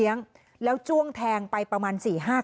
มีคนร้องบอกให้ช่วยด้วยก็เห็นภาพเมื่อสักครู่นี้เราจะได้ยินเสียงเข้ามาเลย